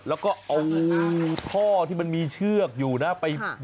แล้วก็เอาท่อที่มีเชือกไปมัดกับเจ้างู